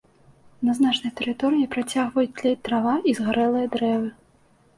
На значнай тэрыторыі пацягваюць тлець трава і згарэлыя дрэвы.